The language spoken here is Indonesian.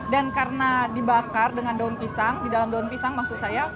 dan karena dibakar dengan daun pisang di dalam daun pisang maksud saya